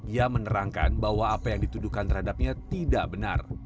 ia menerangkan bahwa apa yang dituduhkan terhadapnya tidak benar